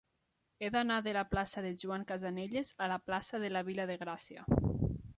He d'anar de la plaça de Joan Casanelles a la plaça de la Vila de Gràcia.